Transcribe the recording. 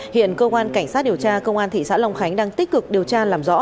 hiện cơ quan cảnh sát điều tra công an thị xã long khánh đang tích cực điều tra làm rõ